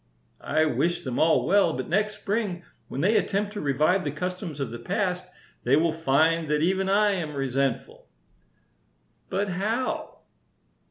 I wish them all well, but next spring when they attempt to revive the customs of the past they will find that even I am resentful." "But how?"